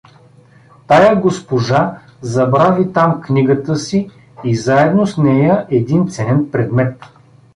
— Тая госпожа забрави там книгата си и заедно с нея един ценен предмет.